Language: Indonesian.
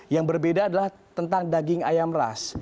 yang berbeda adalah tentang daging ayam ras